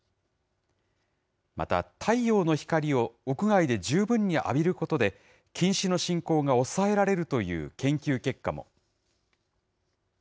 また太陽の光を屋外で十分浴びることで、近視の進行が抑えられるという研究結果も。